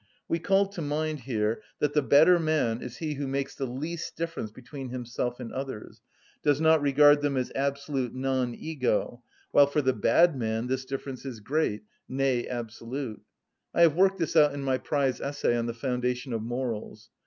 We call to mind here that the better man is he who makes the least difference between himself and others, does not regard them as absolute non‐ego, while for the bad man this difference is great, nay, absolute. I have worked this out in my prize essay on the foundation of morals.